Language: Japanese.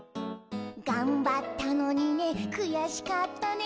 「がんばったのにねくやしかったね」